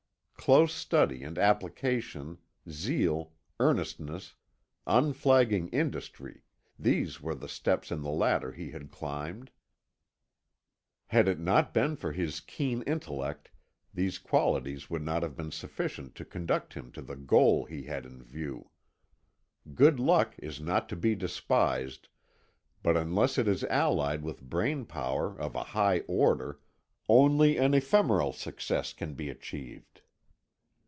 Close study and application, zeal, earnestness, unflagging industry, these were the steps in the ladder he had climbed. Had it not been for his keen intellect these qualities would not have been sufficient to conduct him to the goal he had in view. Good luck is not to be despised, but unless it is allied with brain power of a high order only an ephemeral success can be achieved.